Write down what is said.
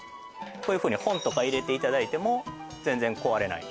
こういうふうに本とか入れていただいても全然壊れない